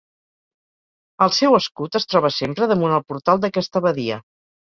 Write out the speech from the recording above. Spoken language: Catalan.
El seu escut es troba sempre damunt al portal d'aquesta abadia.